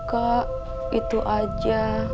kak itu aja